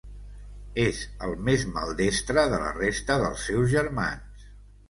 És el més maldestre de la resta dels seus germans.